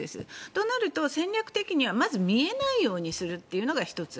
となると、戦略的にはまず見えないにようにするというのが１つ。